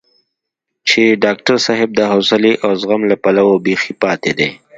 چې ډاکټر صاحب د حوصلې او زغم له پلوه بېخي پاتې دی.